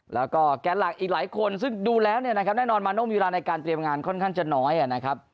แล้วก็แกนหลักอีกหลายคนซึ่งดูแล้วเนี่ยนะครับแน่นอนมาโน่มีเวลาในการเตรียมงานค่อนข้างจะน้อยนะครับ